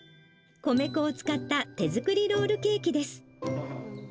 米粉を使った手作りロールケーキです。